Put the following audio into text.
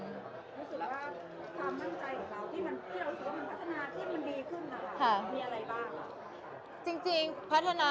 รู้สึกแล้วว่าความมั่นใจของเราที่เรารู้สึกว่ามันพัฒนาขึ้นมันดีขึ้นนะคะมีอะไรบ้าง